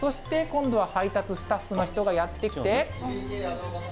そして今度は配達スタッフの人がやって来て。